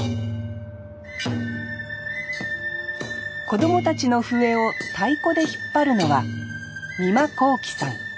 子供たちの笛を太鼓で引っ張るのは美麻昂輝さん